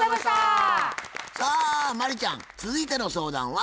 さあ真理ちゃん続いての相談は？